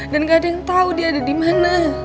dan nggak ada yang tahu dia ada di mana